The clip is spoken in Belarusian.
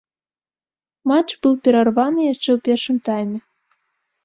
Матч быў перарваны яшчэ ў першым тайме.